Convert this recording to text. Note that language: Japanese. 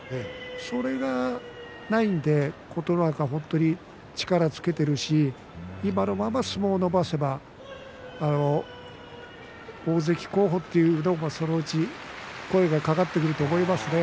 それが、ないんで琴ノ若は本当に力をつけているし今のまま相撲を伸ばせば大関候補というのもそのうち声がかかってくると思いますね。